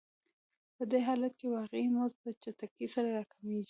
په دې حالت کې واقعي مزد په چټکۍ سره راکمېږي